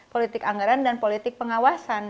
politik anggaran dan politik pengawasan